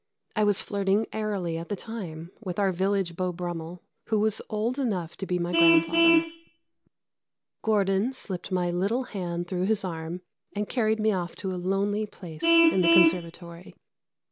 I was flirting airily at the time with our village Beau Brummel, who was old enough to be my grandfather. Gordon slipped my little hand through his arm and carried me off to a lonely place in the conservatory.